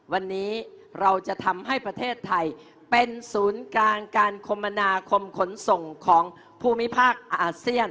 วันนี้เราจะทำให้ประเทศไทยเป็นศูนย์กลางการคมมนาคมขนส่งของภูมิภาคอาเซียน